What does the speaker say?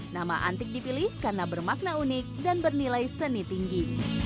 nama antik dipilih karena bermakna unik dan bernilai seni tinggi